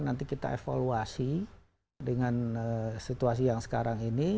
nanti kita evaluasi dengan situasi yang sekarang ini